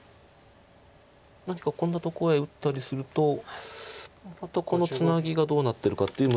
何かこんなとこへ打ったりするとまたこのツナギがどうなってるかっていう難しさはありますけど。